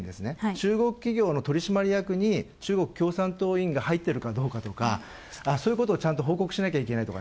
中国企業の取締役に中国共産党員が入っているかどうかとかそういうことをちゃんと報告しなきゃいけないとか。